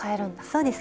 そうです。